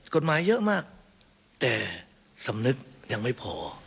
กฎหมายเยอะมากแต่สำนึกยังไม่พอ